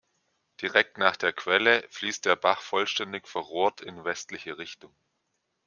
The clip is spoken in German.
Direkt nach der Quelle fließt der Bach vollständig verrohrt in westliche Richtung.